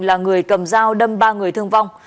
là người cầm dao đâm ba người thương vong